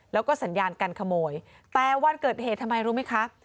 แล้วก็สัญญาการขโมยแต่วันเกิดเหตุทำไมรู้ไหมคะ